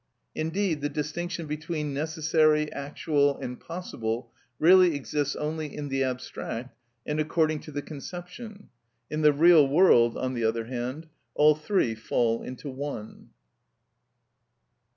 Indeed, the distinction between necessary, actual, and possible really exists only in the abstract and according to the conception; in the real world, on the other hand, all three fall into one.